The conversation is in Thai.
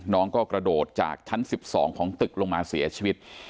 น้องก็กระโดดจากชั้น๑๒ของตึกลงมาเสียชีวิต